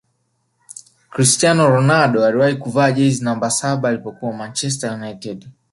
cristiano ronaldo aliwahi kuvaa jezi namba saba alipokuwa manchezter united